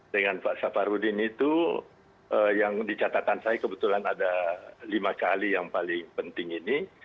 dengan pak safarudin itu yang di catatan saya kebetulan ada lima kali yang paling penting ini